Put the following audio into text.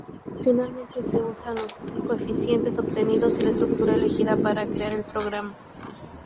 Finalmente se usan los coeficientes obtenidos y la estructura elegida para crear el programa.